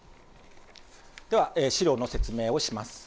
では資料の説明をします。